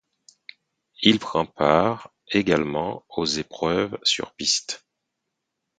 Il prend part également aux épreuves sur piste.